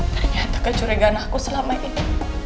ternyata kecurigaan aku selama ini